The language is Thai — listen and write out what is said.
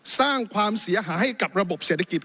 สร้างความเสียหายให้กับระบบเศรษฐกิจ